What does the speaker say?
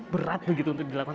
berat begitu untuk dilakukan